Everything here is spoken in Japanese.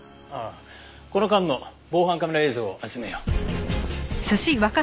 この間の防犯カメラ映像を集めよう。